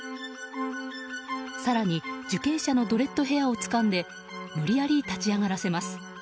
更に、受刑者のドレッドヘアをつかんで無理やり立ち上がらせます。